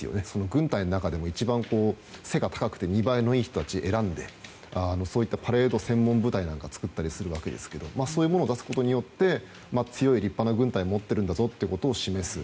軍隊の中でも一番背が高くて見栄えのいい人たちを選んでそういったパレード専門部隊なんかを作ったりするわけですけどそういうものを出すことによって強い立派な軍隊を持っているんだぞということを示す。